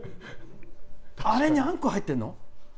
あれに、あんこ入ってるの？